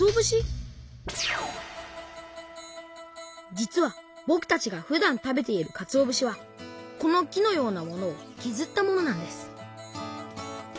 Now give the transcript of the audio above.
実はぼくたちがふだん食べているかつお節はこの木のようなものをけずったものなんです